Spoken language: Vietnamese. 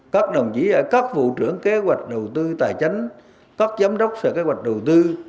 các đồng chí các vụ trưởng kế hoạch đầu tư tài chánh các giám đốc sở kế hoạch đầu tư